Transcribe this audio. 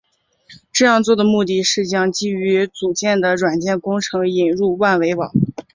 这样做的目的是将基于组件的软件工程引入万维网。